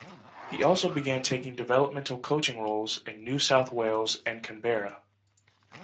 He also began taking developmental coaching roles in New South Wales and Canberra.